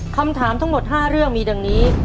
คำถามทั้งหมด๕เรื่องมีดังนี้